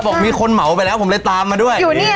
บอกมีคนเหมาไปแล้วผมเลยตามมาด้วย